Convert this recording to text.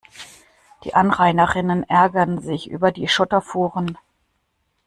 Die Anrainerinnen ärgern sich über die Schotterfuhren.